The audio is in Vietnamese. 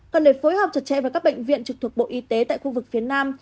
cần để phối hợp chặt chẽ với các bệnh viện trực thuộc bộ y tế tại khu vực phía nam